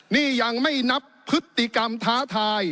นี่ยังไม่นับพฤติกรรมท้าทาย